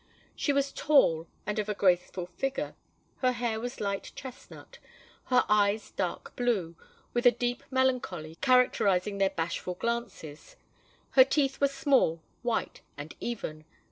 She was tall, and of a graceful figure: her hair was light chesnut; her eyes dark blue, and with a deep melancholy characterising their bashful glances; her teeth were small, white, and even.